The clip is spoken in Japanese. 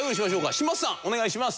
嶋佐さんお願いします。